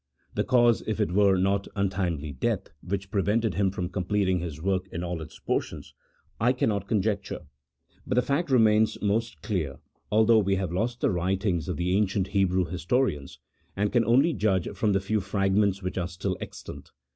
The cause (if it were not untimely death) which pre vented him from completing his work in all its portions, I cannot conjecture, but the fact remains most clear, although we have lost the writings of the ancient Hebrew historians, and can only judge from the few fragments which are still extant.